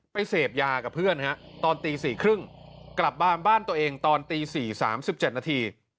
เสพยากับเพื่อนตอนตี๔๓๐กลับบ้านบ้านตัวเองตอนตี๔๓๗นาที